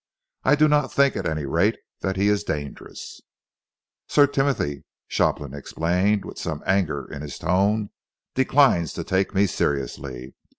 I do not think, at any rate, that he is dangerous." "Sir Timothy," Shopland explained, with some anger in his tone, "declines to take me seriously.